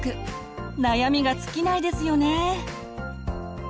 悩みが尽きないですよね。